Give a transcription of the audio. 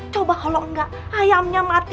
coba kalau enggak ayamnya mati